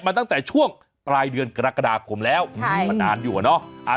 มาตั้งแต่ช่วงปลายเดือนกระดาษกรมแล้วมันนานอยู่อ่ะเนอะ